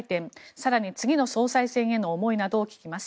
更に次の総裁選への思いなどを聞きます。